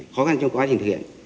khó khăn trong quá trình thực hiện